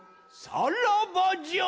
さらばじゃ！